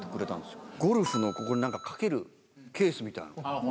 ゴルフのここに何か掛けるケースみたいなの。